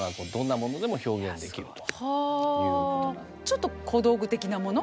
ちょっと小道具的なもの